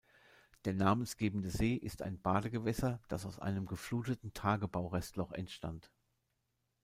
Der namensgebende See ist ein Badegewässer, das aus einem gefluteten Tagebaurestloch entstand.